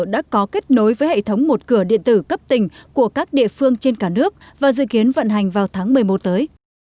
đã có kết nối với hệ thống một cửa điện tử cấp tỉnh của các địa phương trên cả nước và dự kiến vận hành vào tháng một mươi một tới